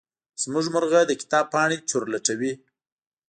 زمونږ مرغه د کتاب پاڼې چورلټوي.